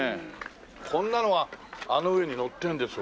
こんなのがあの上に載ってるんですわ。